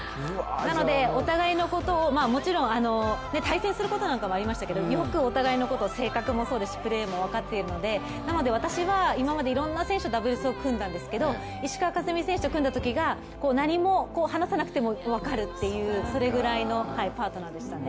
なのでお互いのことをもちろん、対戦することなんかもありましたけれどもよくお互いのことを性格もそうですしプレーも分かっているので私は今までいろんな選手とダブルスを組んだんですけど石川佳純選手と組んだときが何も話さなくても分かるっていうそれぐらいのパートナーでしたね。